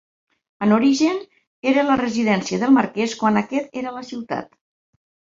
En origen era la residència del Marquès quan aquest era a la ciutat.